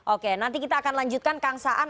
oke nanti kita akan lanjutkan kang saan